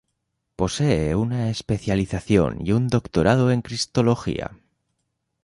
Posee una especialización y un doctorado en cristología.